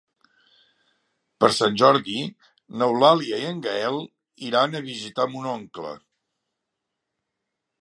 Per Sant Jordi n'Eulàlia i en Gaël iran a visitar mon oncle.